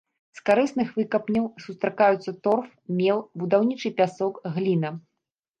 З карысных выкапняў сустракаюцца торф, мел, будаўнічы пясок, гліна.